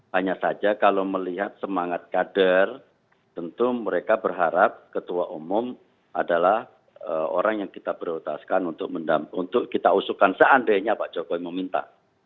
hanya saja kalau melihat semangat kader tentu mereka berharap ketua umum adalah orang yang kita prioritaskan untuk kita usukan seandainya pak jokowi meminta